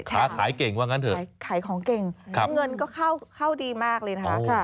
ค้าขายเก่งว่างั้นเถอะขายของเก่งเงินก็เข้าดีมากเลยนะคะ